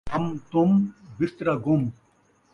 ہم تم بسترا گم